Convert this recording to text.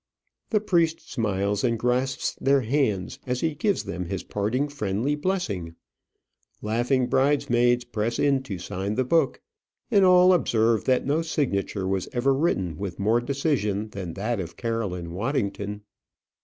The priest smiles and grasps their hands as he gives them his parting friendly blessing. Laughing bridesmaids press in to sign the book, and all observe that no signature was ever written with more decision than that of Caroline Waddington.